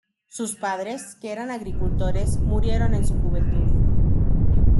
Sus padres, que eran agricultores, murieron en su juventud.